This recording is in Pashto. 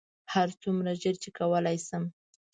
هرڅومره ژر چې کولی شم.